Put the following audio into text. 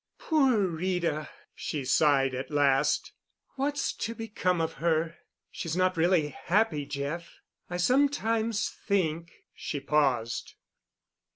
"Poor Rita," she sighed at last, "what's to become of her? She's not really happy, Jeff. I sometimes think——" she paused.